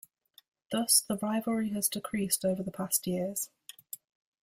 Thus, the rivalry has decreased over the past years.